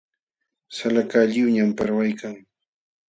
Salakaq lliwñam parwaykan.